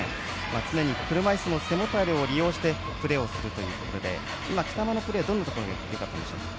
常に車いすの背もたれを利用してプレーをするということで今、北間のプレーどういうところがよかったでしょう。